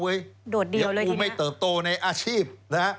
เดี๋ยวกูไม่เติบโตในอาชีพนะฮะ